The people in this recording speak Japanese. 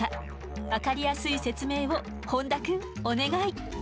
分かりやすい説明を本多くんお願い。